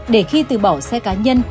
để khi từ bỏ xe cá nhân